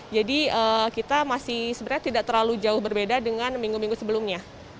jadi kita masih sebenarnya tidak terlalu jauh berbeda dengan minggu minggu sebelumnya